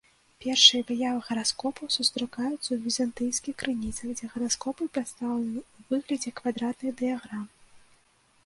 Першыя выявы гараскопаў сустракаюцца ў візантыйскіх крыніцах, дзе гараскопы прадстаўлены ў выглядзе квадратных дыяграм.